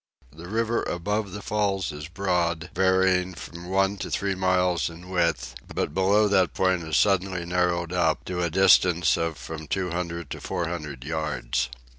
The river above the falls is broad, varying from one to three miles in width, but below that point it is suddenly narrowed up to a distance of from 200 to 400 yards.